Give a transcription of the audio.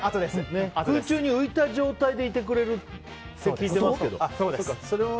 空中に浮いた状態でいてくれると聞いてますけど。